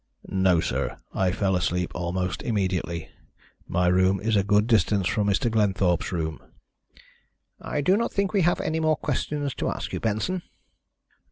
"No, sir, I fell asleep almost immediately. My room is a good distance from Mr. Glenthorpe's room." "I do not think we have any more questions to ask you, Benson."